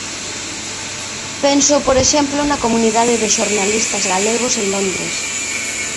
Penso por exemplo na comunidade de xornalistas galegos en Londres.